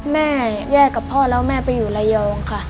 แม่แยกกับพ่อแล้วแม่ไปอยู่ระยองค่ะ